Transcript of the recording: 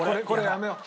やめよう。